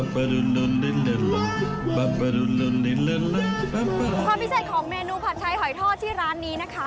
ความพิเศษของเมนูผัดไทยหอยทอดที่ร้านนี้นะคะ